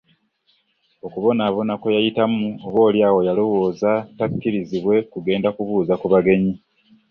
Okubonaabona kwe yayitamu oboolyawo yalowooza takkirizibwe kugenda kubuuza ku bagenyi.